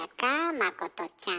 まことちゃん。